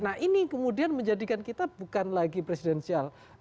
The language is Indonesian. nah ini kemudian menjadikan kita bukan lagi presidensial